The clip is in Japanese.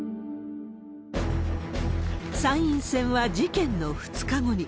参院選は事件の２日後に。